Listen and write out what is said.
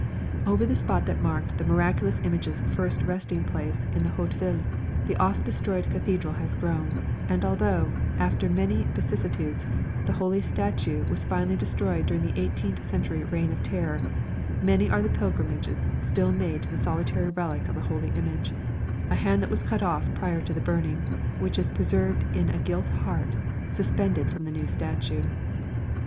Over the spot that marked the miraculous image's first resting place in the Haute Ville the oft destroyed cathedral has grown, and although, after many vicissitudes, the Holy Statue was finally destroyed during the eighteenth century Reign of Terror, many are the pilgrimages still made to the solitary relic of the holy image a hand that was cut off prior to the burning, which is preserved in a gilt heart, suspended from the new statue.